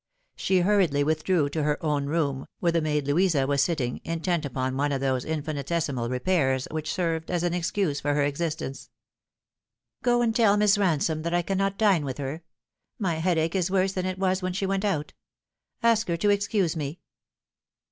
She hurriedly with drew to her own room, where the maid Louisa was sitting, intent upon one of those infinitesimal repairs which served as an excuse for her existence. " Go and tell Miss Ransome that I cannot dine with her. My headache is worse than it was when she went out. Ask her to excuse me."